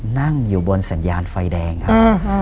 นั่งอยู่บนสัญญาณไฟแดงครับ